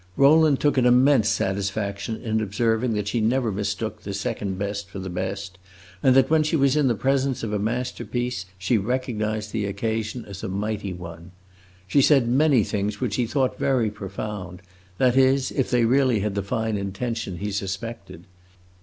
Rowland took an immense satisfaction in observing that she never mistook the second best for the best, and that when she was in the presence of a masterpiece, she recognized the occasion as a mighty one. She said many things which he thought very profound that is, if they really had the fine intention he suspected.